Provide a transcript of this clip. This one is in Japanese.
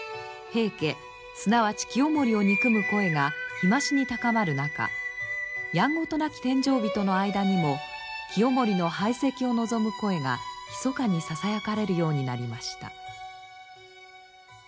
平家すなわち清盛を憎む声が日増しに高まる中やんごとなき殿上人の間にも清盛の排斥を望む声がひそかにささやかれるようになりました。